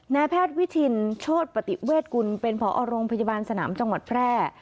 นายแพทย์วิชินโชธปฏิเวทกุลเป็นผอโรงพยาบาลสนามจังหวัดแพร่